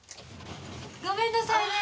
ごめんなさいね。